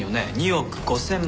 ２億５０００万。